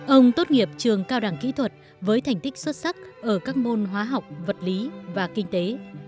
ông tốt nghiệp trường cao đẳng kỹ thuật với thành tích xuất sắc ở các môn hóa học vật lý và kinh tế